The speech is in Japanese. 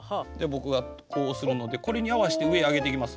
僕がこうするのでこれに合わせて上へ上げていきます。